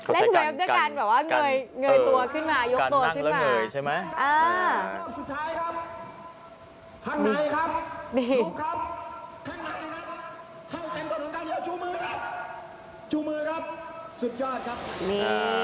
เล่นเวฟด้วยการเหงื่อตัวขึ้นมายกตัวขึ้นมา